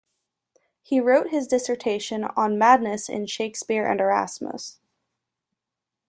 He wrote his dissertation on madness in Shakespeare and Erasmus.